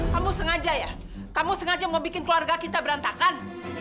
kamu sengaja ya kamu sengaja membuat keluarga kita berantakan